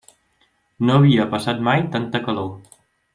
No havia passat mai tanta calor.